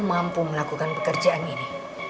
mampu melakukan pekerjaan ini